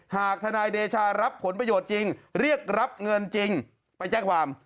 หากทนายเดชารับผลประโยชน์จริงเรียกรับเงินจริงไปแจ้งความ